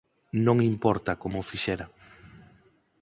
Non importa como o fixera.